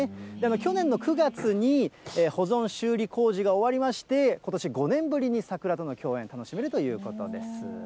去年の９月に保存修理工事が終わりまして、ことし、５年ぶりに桜との競演、楽しめるということです。